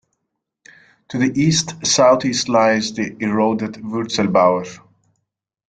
To the east-southeast lies the eroded Wurzelbauer.